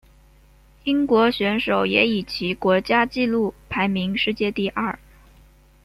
英国选手也以其国家纪录排名世界第二。